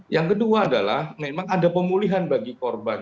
yang kedua adalah memang ada pemulihan bagi korban